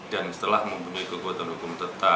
dan setelah mempunyai kekuatan hukum tetap